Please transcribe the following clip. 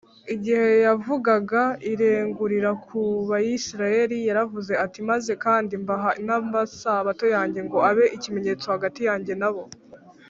igihe yavugaga irengurira ku bayisiraheli yaravuze ati, “maze kandi mbaha n’amasabato yanjye ngo abe ikimenyetso hagati yanjye na bo